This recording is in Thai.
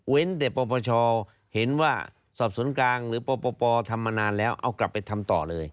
แต่ปปชเห็นว่าสอบสวนกลางหรือปปทำมานานแล้วเอากลับไปทำต่อเลย